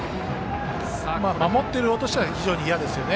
守っている方としては非常に嫌ですね。